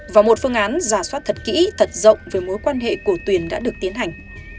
và một phương án giả soát thật kỹ thật rộng về mối quan hệ cổ tuyền đã được tiến hành